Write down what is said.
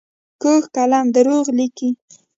کوږ قلم دروغ لیکي